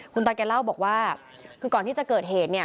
คุณตาแกเล่าบอกว่าคือก่อนที่จะเกิดเหตุเนี่ย